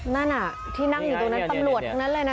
นั่นที่นั่งอยู่ตรงนั้นตำรวจทั้งนั้นเลยนะ